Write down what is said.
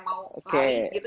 mau jalan gitu